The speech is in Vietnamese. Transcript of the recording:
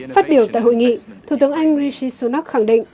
phát biểu tại hội nghị thủ tướng anh rishi sunak khẳng định